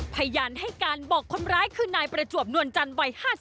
พยานให้การบอกคนร้ายคือนายประจวบนวลจันทร์วัย๕๗